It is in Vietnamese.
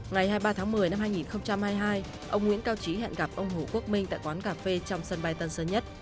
ngày hai mươi ba tháng một mươi năm hai nghìn hai mươi hai ông nguyễn cao trí hẹn gặp ông hồ quốc minh tại quán cà phê trong sân bay tân sơn nhất